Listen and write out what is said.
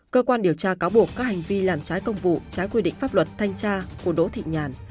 cơ quan điều tra cáo buộc các hành vi làm trái công vụ trái quy định pháp luật thanh tra của đỗ thị nhàn